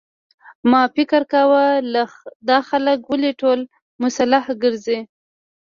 ما فکر کاوه دا خلک ولې ټول مسلح ګرځي.